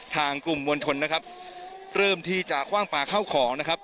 กลุ่มมวลชนนะครับเริ่มที่จะคว่างปลาเข้าของนะครับ